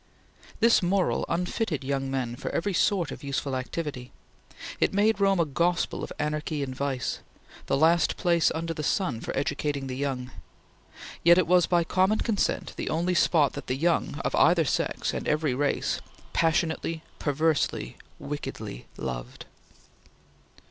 This moral unfitted young men for every sort of useful activity; it made Rome a gospel of anarchy and vice; the last place under the sun for educating the young; yet it was, by common consent, the only spot that the young of either sex and every race passionately, perversely, wickedly loved.